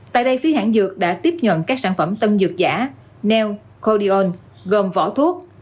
tại đây phía hãng dược đã tiếp nhận các sản phẩm tân dược giả neocordion gồm vỏ thuốc